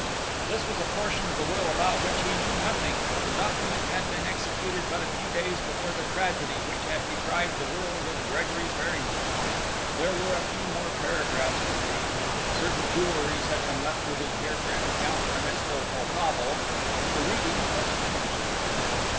This was a portion of the will about which he knew nothing for the document had been executed but a few days before the tragedy which had deprived the world of Gregory Farrington. There were a few more paragraphs to read; certain jewelleries had been left to his dear friend Count Ernesto Poltavo, and the reading was finished.